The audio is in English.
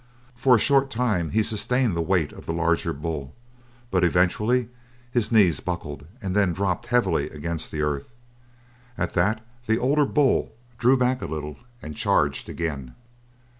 For a short time he sustained the weight of the larger bull, but eventually his knees buckled, and then dropped heavily against the earth. At that the older bull drew back a little and charged again.